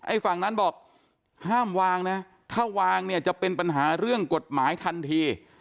ฝั่งนั้นบอกห้ามวางนะถ้าวางเนี่ยจะเป็นปัญหาเรื่องกฎหมายทันที